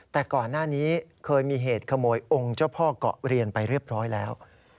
แต่ก่อนหน้านี้เคยมีเหตุขโมยองค์เจ้าพ่อเกาะเรียนไปเรียบร้อยแล้ว